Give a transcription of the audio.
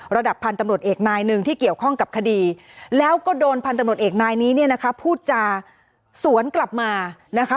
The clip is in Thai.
ระดับพันธุ์ตำรวจเอกนายหนึ่งที่เกี่ยวข้องกับคดีแล้วก็โดนพันธุ์ตำรวจเอกนายนี้เนี่ยนะคะพูดจาสวนกลับมานะคะ